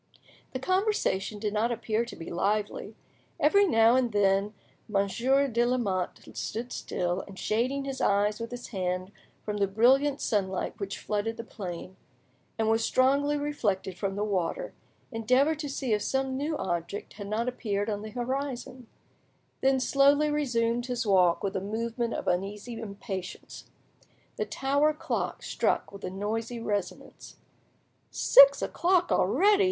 The conversation did not appear to be lively. Every now and then Monsieur de Lamotte stood still, and, shading his eyes with his hand from the brilliant sunlight which flooded the plain, and was strongly reflected from the water, endeavoured to see if some new object had not appeared on the horizon, then slowly resumed his walk with a movement of uneasy impatience. The tower clock struck with a noisy resonance. "Six o'clock already!"